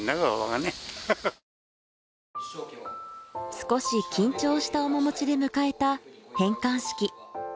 少し緊張した面持ちで迎えた返還式